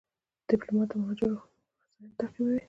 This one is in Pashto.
ډيپلومات د مهاجرو مسایل تعقیبوي.